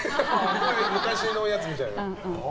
昔のやつみたいなね。